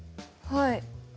はい。